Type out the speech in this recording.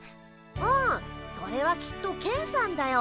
うんそれはきっとケンさんだよ。